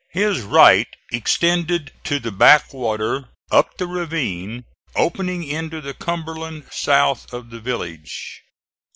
His right extended to the back water up the ravine opening into the Cumberland south of the village.